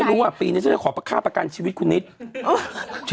ไม่รู้ว่าปีนี้ฉันจะขอข้าวประกันชีวิตคุณนิษฐ์